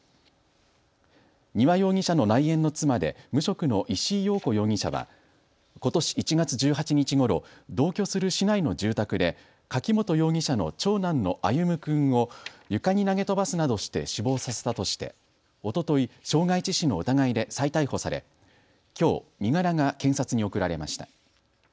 丹羽容疑者の内縁の妻で無職の石井陽子容疑者はことし１月１８日ごろ同居する市内の住宅で柿本容疑者の長男の歩夢君を床に投げ飛ばすなどして死亡させたとしておととい、傷害致死の疑いで再逮捕されきょう、身柄が検察に送られました。